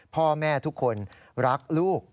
พ่อแม่ทุกคนรักลูก